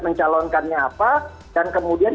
mencalonkannya apa dan kemudian